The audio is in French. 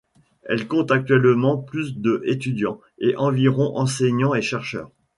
Elle compte actuellement plus de étudiants, et environ enseignants et chercheurs.